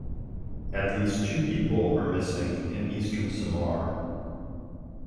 At least two people are missing in Eastern Samar.